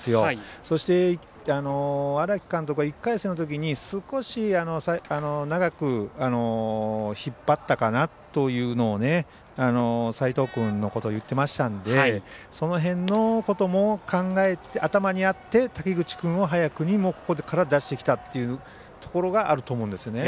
そして、荒木監督は１回戦のときに少し長く引っ張ったかなというのを齋藤君のことを言ってましたのでその辺のことも頭にあって滝口君を早くにここから出してきたというところがあると思うんですよね。